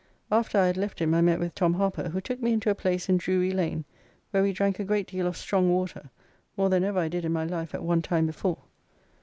After I had left him, I met with Tom Harper, who took me into a place in Drury Lane, where we drank a great deal of strong water, more than ever I did in my life at onetime before.